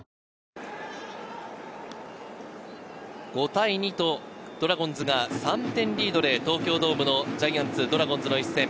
５対２とドラゴンズが３点リードで東京ドームのジャイアンツ、ドラゴンズの一戦。